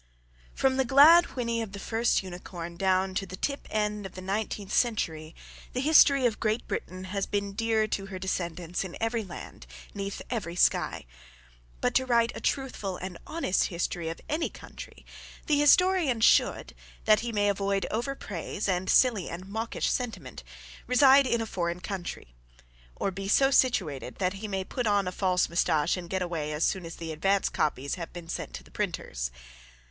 ] From the glad whinny of the first unicorn down to the tip end of the nineteenth century, the history of Great Britain has been dear to her descendants in every land, 'neath every sky. But to write a truthful and honest history of any country the historian should, that he may avoid overpraise and silly and mawkish sentiment, reside in a foreign country, or be so situated that he may put on a false moustache and get away as soon as the advance copies have been sent to the printers.